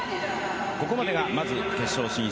ここまでがまず決勝進出。